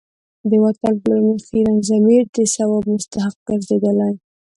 د وطن پلورنې خیرن ضمیر د ثواب مستحق ګرځېدلی.